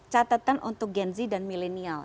catatan untuk gen z dan milenial